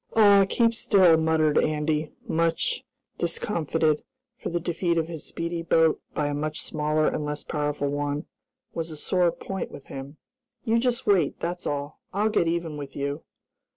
"Aw, keep still!" muttered Andy, much discomfited, for the defeat of his speedy boat, by a much smaller and less powerful one, was a sore point with him. "You just wait, that's all. I'll get even with you!"